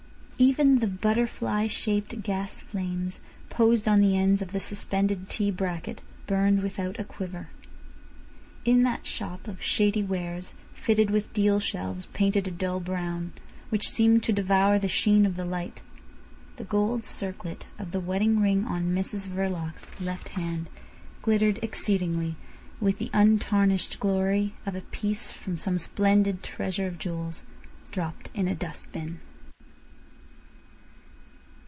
Even the butterfly shaped gas flames posed on the ends of the suspended T bracket burned without a quiver. In that shop of shady wares fitted with deal shelves painted a dull brown, which seemed to devour the sheen of the light, the gold circlet of the wedding ring on Mrs Verloc's left hand glittered exceedingly with the untarnished glory of a piece from some splendid treasure of jewels, dropped in a dust bin.